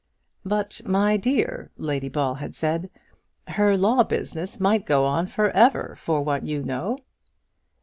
"But, my dear," Lady Ball had said, "her law business might go on for ever, for what you know."